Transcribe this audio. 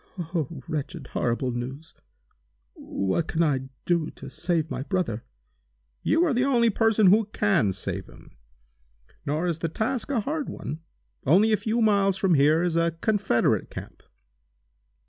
"Oh wretched, horrible news! What can I do to save my brother?" "You are the only person who can save him. Nor is the task a hard one. Only a few miles from here is a Confederate camp.